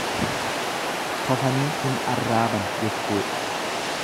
Tofanii hin arraaban jechuudha.